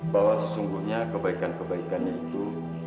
bahwa sesungguhnya kebaikan kebaikannya itu